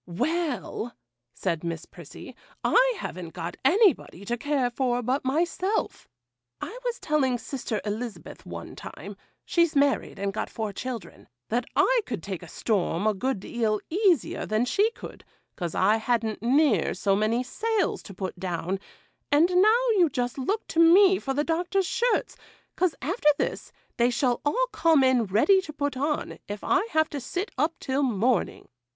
'Well,' said Miss Prissy, 'I haven't got anybody to care for but myself. I was telling sister Elizabeth, one time (she's married and got four children), that I could take a storm a good deal easier than she could, 'cause I hadn't near so many sails to pull down; and now, you just look to me for the Doctor's shirts, 'cause, after this, they shall all come in ready to put on, if I have to sit up till morning.